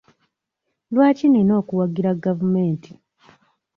Lwaki nnina okuwagira gavumenti?